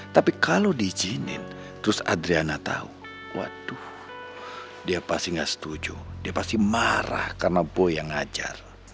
tapi kalau diizinin terus adriana tahu waduh dia pasti gak setuju dia pasti marah karena boy yang ngajar